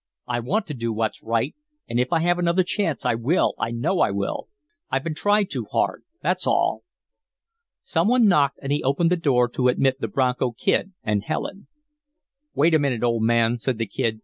I want to do what's right, and if I have another chance I will, I know I will. I've been tried too hard, that's all." Some one knocked, and he opened the door to admit the Bronco Kid and Helen. "Wait a minute, old man," said the Kid.